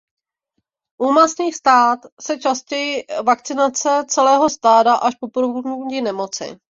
U masných stád je častější vakcinace celého stáda až po propuknutí nemoci.